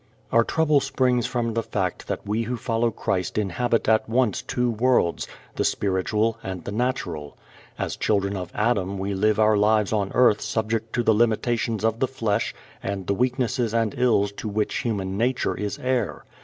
Our trouble springs from the fact that we who follow Christ inhabit at once two worlds, the spiritual and the natural. As children of Adam we live our lives on earth subject to the limitations of the flesh and the weaknesses and ills to which human nature is heir.